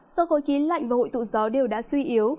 sau khối khí lạnh và hội tụ gió đều đã suy yếu